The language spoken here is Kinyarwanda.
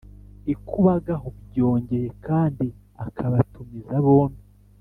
ikuba gahu byongeye kandi akabatumiza bombi